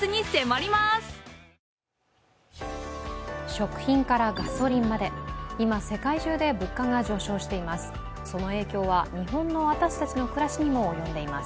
食品からガソリンまで今世界中で物価が上昇しています。